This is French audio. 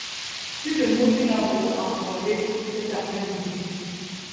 sur le mot qu'il a beaucoup employé cet après-midi